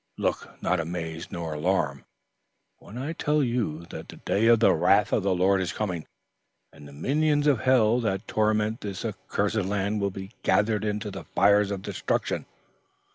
Look not amazed nor alarmed when I tell you that the day of the wrath of the Lord is coming, and the minions of hell that torment this accursed land will be gathered into the fires of destruction.